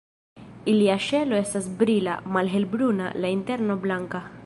Ilia ŝelo estas brila, malhelbruna, la interno blanka.